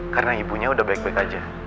karena ibunya udah baik baik aja